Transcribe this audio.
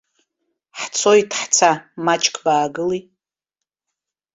Ҳцоит, ҳца, маҷк баагыли.